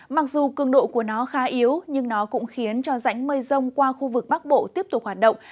mặc dù cường độ của nó khá yếu nhưng nó cũng khiến cho rãnh mây rông qua khu vực bắc bộ tiếp tục hoạt động